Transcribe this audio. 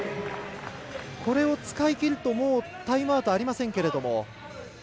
これを使い切るともうタイムアウトはありませんけれども。